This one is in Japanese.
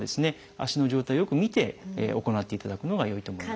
足の状態をよく見て行っていただくのがよいと思います。